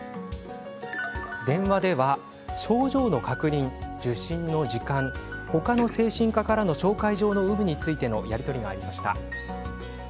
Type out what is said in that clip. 電話では、症状の確認受診の時間、他の精神科からの紹介状の有無についてのやり取りがありました。